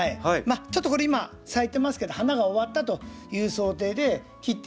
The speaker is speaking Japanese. ちょっとこれ今咲いてますけど花が終わったという想定で切っていきますが。